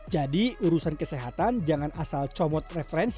jadi urusan kesehatan jangan asal comot referensi ya